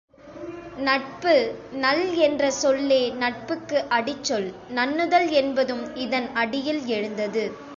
நட்பு நள் என்ற சொல்லே நட்புக்கு அடிச்சொல் நண்ணுதல் என்பதும் இதன் அடியில் எழுந்தது.